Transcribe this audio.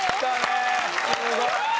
すごい。